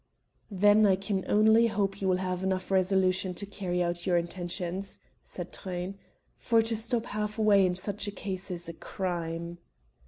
"Then I can only hope you will have enough resolution to carry out your intentions," said Truyn, "for to stop half way in such a case is a crime."